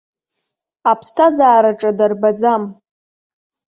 Аԥсҭазаара аҿы дарбаӡам.